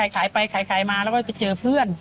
ขายไปขายมาแล้วก็ไปเจอเพื่อน